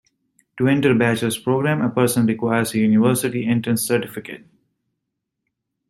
To enter a Bachelor's program, a person requires a University entrance certificate.